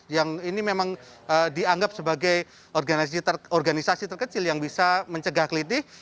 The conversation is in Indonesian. yang ini memang dianggap sebagai organisasi terkecil yang bisa mencegah kelitih